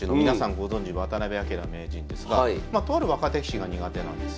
ご存じ渡辺明名人ですがとある若手棋士が苦手なんです。